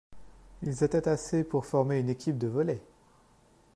Ils étaient assez pour former une équipe de volley.